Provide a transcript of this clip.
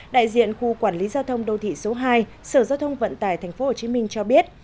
đại diện khu quản lý giao thông đô thị số hai sở giao thông vận tải tp hcm cho biết